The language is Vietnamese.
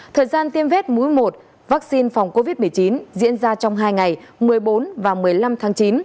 thời gian tiêm vết mũi một vaccine phòng covid một mươi chín diễn ra trong hai ngày một mươi bốn và một mươi năm tháng chín